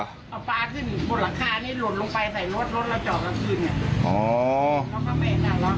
เอาปลาขึ้นบทราคานี่หลุดลงไปใส่รถรถละเจาะละขึ้น